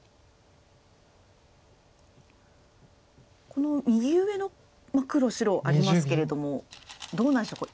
この右上の黒白ありますけれどもどうなんでしょう？